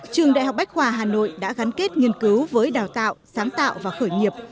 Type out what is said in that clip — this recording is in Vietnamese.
trường đại học bách khoa hà nội đã gắn kết nghiên cứu với đào tạo sáng tạo và khởi nghiệp